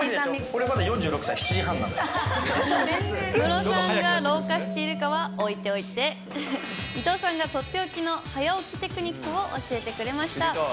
俺まだ４６歳、ムロさんが老化しているかは置いておいて、伊藤さんが取って置きの早起きテクニックを教えてくれました。